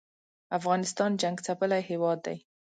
افغانستان جنګ څپلی هېواد دی